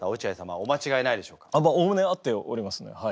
おおむね合っておりますねはい。